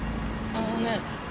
あのね。